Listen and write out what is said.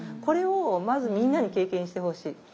これをまずみんなに経験してほしい。